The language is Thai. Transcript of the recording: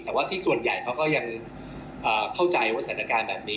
แต่ว่าที่ส่วนใหญ่เขาก็ยังเข้าใจว่าสถานการณ์แบบนี้